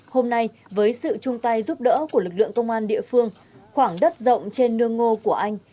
hôm nay với sự chung tay giúp đỡ của lực lượng công an địa phương khoảng đất rộng trên nương ngô của anh